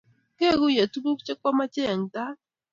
keguiye tuguk chekwamache eng tai?